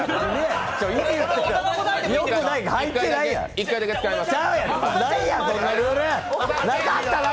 １回だけ使えます。